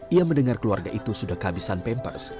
ia mendengar keluarga itu sudah kehabisan pampers